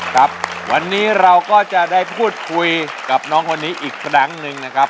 ครับวันนี้เราก็จะได้พูดคุยกับน้องคนนี้อีกครั้งหนึ่งนะครับ